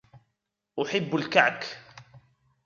أحب الكعك.